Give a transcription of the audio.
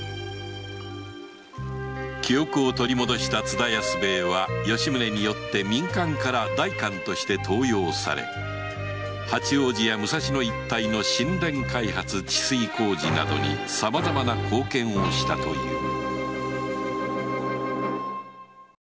記憶を取り戻した津田安兵衛は吉宗によって民間から代官として登用され八王子や武蔵野一帯の新田開発治水工事などにさまざまな貢献をしたという